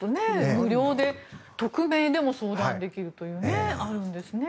無料で、匿名でも相談できるというのがあるんですね。